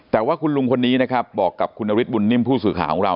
แต่ว่าคุณลุงคนนี้บอกกับคุณนวิธีบุญนิมท์ผู้สื่อข้าวของเรา